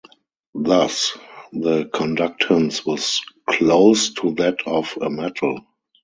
Thus the conductance was close to that of a metal.